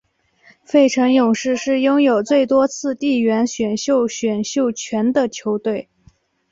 费城勇士是拥有最多次地缘选秀选秀权的球队。